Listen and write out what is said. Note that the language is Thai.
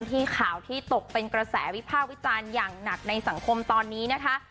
ที่ข่าวที่ตกเป็นกระแสวิพากษ์วิจารณ์อย่างหนักในสังคมตอนนี้นะคะ